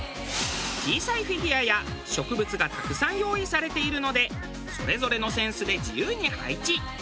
小さいフィギュアや植物がたくさん用意されているのでそれぞれのセンスで自由に配置。